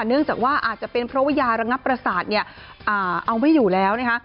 เนื่องจากว่าอาจจะเป็นเพราะว่ายาระงับประสาทเนี่ยเอาไม่อยู่แล้วนะคะ